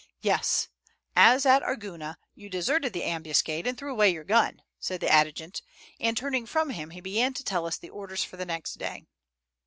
"Yes, as at Arguna, you deserted the ambuscade and threw away your gun," said the adjutant; and turning from him he began to tell us the orders for the next day.